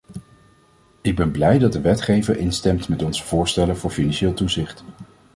Ik ben blij dat de wetgever instemt met onze voorstellen voor financieel toezicht.